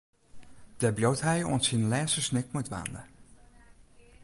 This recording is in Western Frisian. Dêr bliuwt hy oant syn lêste snik mei dwaande.